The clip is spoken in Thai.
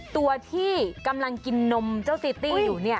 ตัวที่กำลังกินนมเจ้าซีตี้อยู่